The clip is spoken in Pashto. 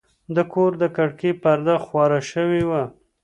د کور د کړکۍ پرده خواره شوې وه.